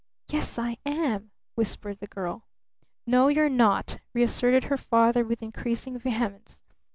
"Yes, I am," whispered the girl. "No, you're not!" reasserted her father with increasing vehemence.